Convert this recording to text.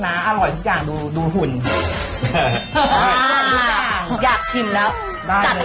อ้าววันนี้เมนูสุดที่พี่สุดจะมาสอน